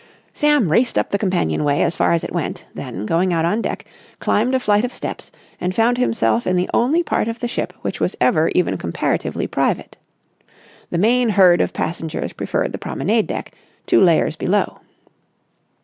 Sam raced up the companion way as far as it went; then, going out on deck, climbed a flight of steps and found himself in the only part of the ship which was ever even comparatively private. The main herd of passengers preferred the promenade deck, two layers below.